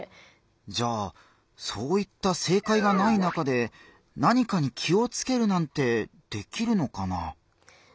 じゃあそういった正解がない中で何かに気をつけるなんてできるのかな？